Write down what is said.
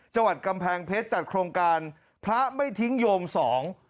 จังหวัดกำแพงเพชรจัดโครงการพระไม่ทิ้งโยมสอง